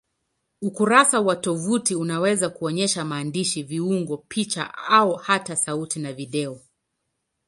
Ukurasa wa tovuti unaweza kuonyesha maandishi, viungo, picha au hata sauti na video.